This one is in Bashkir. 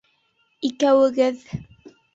Икәүегеҙ